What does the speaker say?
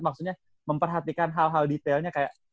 maksudnya memperhatikan hal hal detailnya kayak